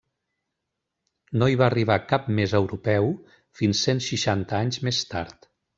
No hi va arribar cap més europeu fins cent seixanta anys més tard.